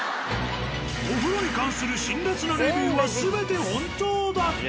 お風呂に関する辛辣なレビューは全て本当だった。